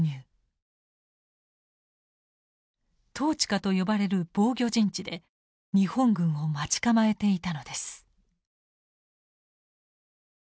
トーチカと呼ばれる防御陣地で日本軍を待ち構えていたのです。